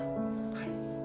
はい。